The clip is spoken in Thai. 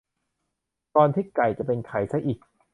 ก่อนที่ไก่จะเป็นไข่ซะอีก